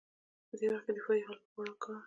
په دې وخت کې دفاعي حالت غوره کړ